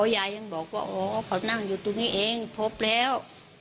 ยายยังบอกว่าอ๋อเขานั่งอยู่ตรงนี้เองพบแล้ว